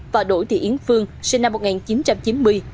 và đỗ thị yến phương sinh năm một nghìn chín trăm chín mươi